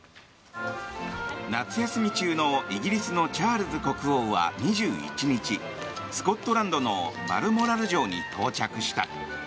夏休み中のイギリスのチャールズ国王は２１日、スコットランドのバルモラル城に到着した。